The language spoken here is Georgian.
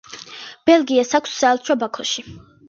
ბელგიას აქვს საელჩო ბაქოში.